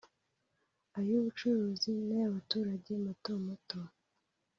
ay’ubucuruzi n’ay’abaturage mato mato"